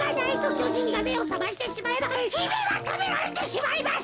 きょじんがめをさましてしまえばひめはたべられてしまいます。